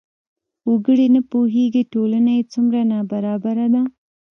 وګړي نه پوهېږي ټولنه یې څومره نابرابره ده.